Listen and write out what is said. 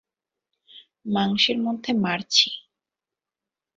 মাংসের মধ্যে মারছি।